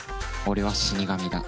俺は死神だ。